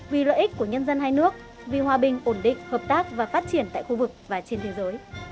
vì lợi ích của nhân dân hai nước vì hòa bình ổn định hợp tác và phát triển tại khu vực và trên thế giới